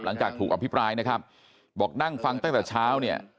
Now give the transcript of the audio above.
หลังจากถูกอภิปรายนะครับบอกนั่งฟังตั้งแต่เช้าเนี่ย